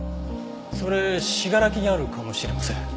それ信楽にあるかもしれません。